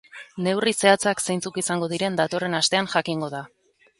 Neurri zehatzak zeintzuk izango diren datorren astean jakingo da.